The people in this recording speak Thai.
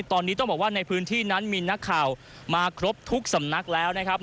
ตอนนี้ต้องบอกว่าในพื้นที่นั้นมีนักข่าวมาครบทุกสำนักแล้วนะครับ